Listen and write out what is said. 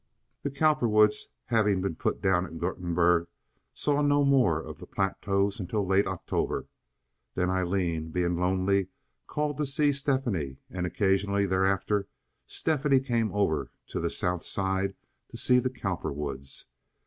The Cowperwoods, having been put down at Goteborg, saw no more of the Platows until late October. Then Aileen, being lonely, called to see Stephanie, and occasionally thereafter Stephanie came over to the South Side to see the Cowperwoods.